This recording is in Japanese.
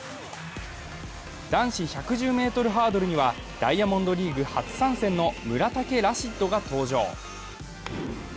男子１１０ｍハードルにはダイヤモンドリーグ初参戦の村竹ラシッドが登場。